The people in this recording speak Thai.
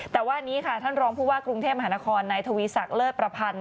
แต่ว่านี้ค่ะท่านรองผู้ว่ากรุงเทพมหานครนายทวีศักดิ์เลิศประพันธ์